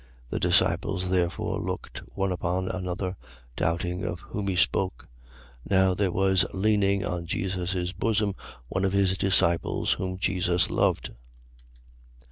13:22. The disciples therefore looked one upon another, doubting of whom he spoke. 13:23. Now there was leaning on Jesus' bosom one of his disciples, whom Jesus loved.